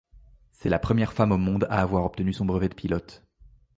C'est la première femme au monde à avoir obtenu son brevet de pilote.